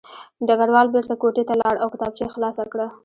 ډګروال بېرته کوټې ته لاړ او کتابچه یې خلاصه کړه